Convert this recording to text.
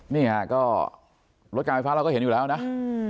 นี่ฮะก็รถการไฟฟ้าเราก็เห็นอยู่แล้วนะ